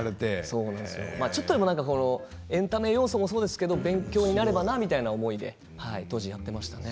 ちょっとでもエンタメ要素もそうですけど勉強になればなみたいな思いで当時やっていましたね。